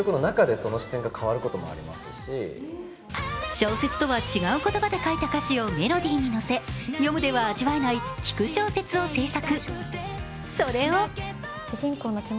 小説とは違う言葉で書いた歌詞をメロディーに乗せ読むでは味わえない聞く小説を制作。